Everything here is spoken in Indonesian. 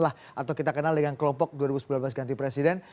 atau kita kenal dengan kelompok dua ribu sembilan belas ganti presiden